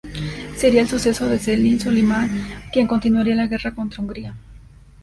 Sería el sucesor de Selim, Solimán quien continuaría la guerra contra Hungría.